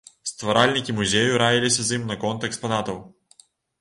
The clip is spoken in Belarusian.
Стваральнікі музею раіліся з ім наконт экспанатаў.